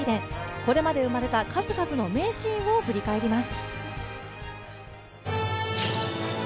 これまで生まれた数々の名シーンを振り返ります。